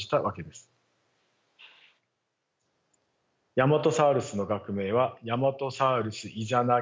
ヤマトサウルスの学名はヤマトサウルス・イザナギイといいます。